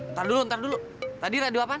ntar dulu ntar dulu tadi radio apa